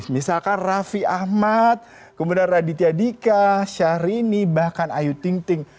misalkan raffi ahmad kemudian raditya dika syahrini bahkan ayu ting ting